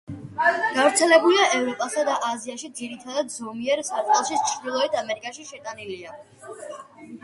გავრცელებულია ევროპასა და აზიაში, ძირითადად ზომიერ სარტყელში, ჩრდილოეთ ამერიკაში შეტანილია.